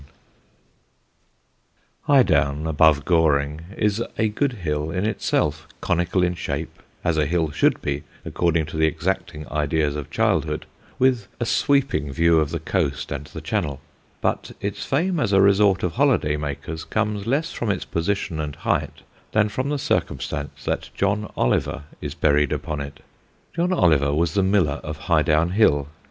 [Sidenote: THE MILLER AND SWEET DEATH] Highdown, above Goring, is a good hill in itself, conical in shape, as a hill should be according to the exacting ideas of childhood, with a sweeping view of the coast and the Channel; but its fame as a resort of holiday makers comes less from its position and height than from the circumstance that John Oliver is buried upon it. John Oliver was the miller of Highdown Hill.